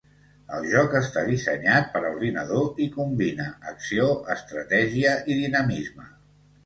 El joc està dissenyat per a ordinador i combina acció, estratègia i dinamisme.